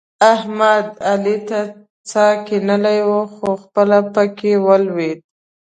احمد؛ علي ته څا کنلې وه؛ خو خپله په کې ولوېد.